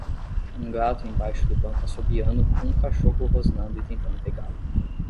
Um gato embaixo do banco assobiando com um cachorro rosnando e tentando pegá-lo.